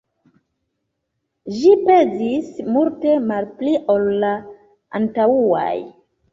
Ĝi pezis multe malpli ol la antaŭaj.